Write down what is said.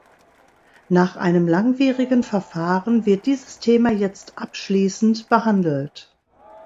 Nach einem langwierigen Verfahren wird dieses Thema jetzt abschließend behandelt.